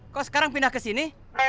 kok sekarang pindah kesini